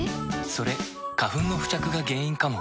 それ花粉の付着が原因かも。